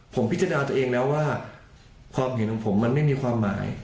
ผมพิจารณาตัวเองแล้วว่าความเห็นของผมมันไม่มีความหมาย